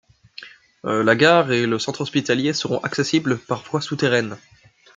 La gare et le centre hospitalier seront accessible par voie souterraine.